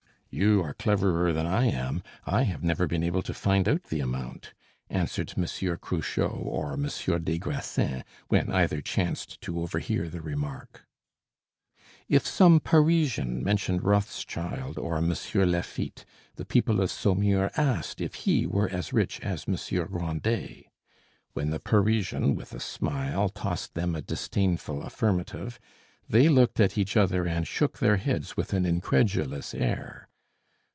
"You are cleverer than I am; I have never been able to find out the amount," answered Monsieur Cruchot or Monsieur des Grassins, when either chanced to overhear the remark. If some Parisian mentioned Rothschild or Monsieur Lafitte, the people of Saumur asked if he were as rich as Monsieur Grandet. When the Parisian, with a smile, tossed them a disdainful affirmative, they looked at each other and shook their heads with an incredulous air.